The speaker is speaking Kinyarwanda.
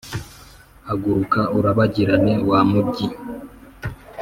haguruka urabagirane, wa mujyi,